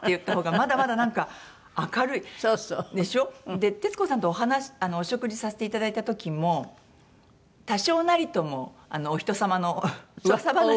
で徹子さんとお食事させて頂いた時も多少なりともお人様のうわさ話を。